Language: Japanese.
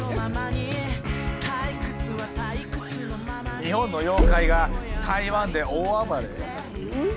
日本の妖怪が台湾で大暴れ？